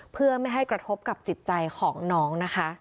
เพื่อไม่ให้กระทบกับจิตใจของน้องนะคะ